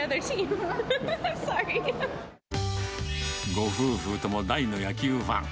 ご夫婦とも大の野球ファン。